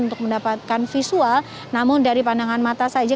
untuk mendapatkan visual namun dari pandangan mata saja